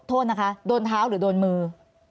โทษนะคะโดนเท้าหรือโดนมือ